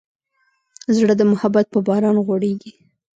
زړه د محبت په باران غوړېږي.